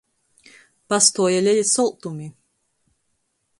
Pastuoja leli soltumi.